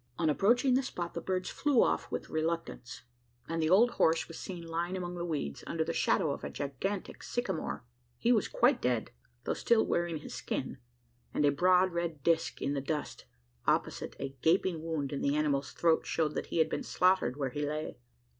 On approaching the spot, the birds flew off with reluctance; and the old horse was seen lying among the weeds, under the shadow of a gigantic sycamore. He was quite dead, though still wearing his skin; and a broad red disc in the dust, opposite a gaping wound in the animal's throat, showed that he had been slaughtered where he lay!